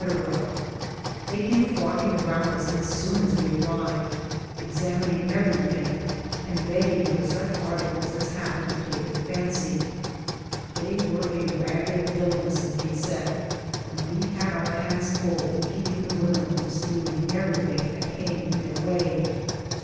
They came flocking around us as soon as we arrived, examining every thing, and begging for such articles as happened to take their fancy. They were a ragged, villainous looking set, and we had our hands full in keeping the women from stealing every thing that came in their way.